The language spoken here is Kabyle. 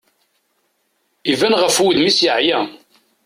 Iban ɣef wudem-is yeɛya.